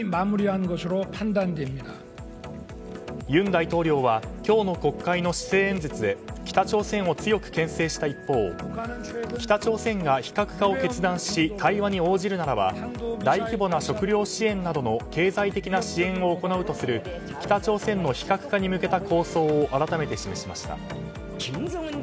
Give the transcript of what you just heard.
尹大統領は今日の国会の施政演説で北朝鮮を強く牽制した一方北朝鮮が非核化し対話に応じるならば大規模な食糧支援などの経済的な支援を行うとする北朝鮮の非核化に向けた構想を改めて示しました。